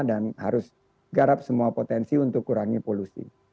dan harus garap semua potensi untuk kurangi polusi